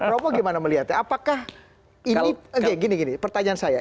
romo gimana melihatnya apakah ini gini pertanyaan saya